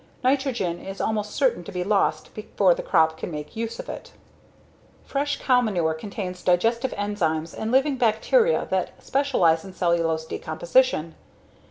Nitrogen is almost certain to be lost before the crop can make use of it" Fresh cow manure contains digestive enzymes and living bacteria that specialize in cellulose decomposition.